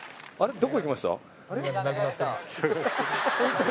どこいきました？